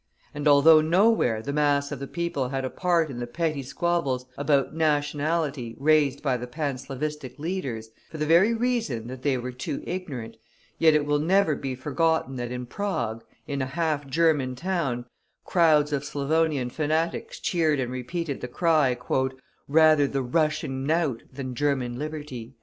And although nowhere the mass of the people had a part in the petty squabbles about nationality raised by the Panslavistic leaders, for the very reason that they were too ignorant, yet it will never be forgotten that in Prague, in a half German town, crowds of Slavonian fanatics cheered and repeated the cry: "Rather the Russian knout than German Liberty!"